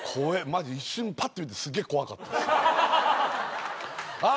まず一瞬パッと見てすげえ怖かったっすああ